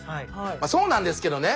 まそうなんですけどね。